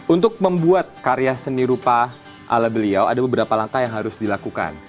untuk membuat karya seni rupa ala beliau ada beberapa langkah yang harus dilakukan